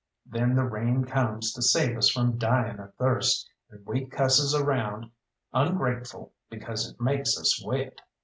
Then the rain comes to save us from dying of thirst, and we cusses around ungrateful because it makes us wet.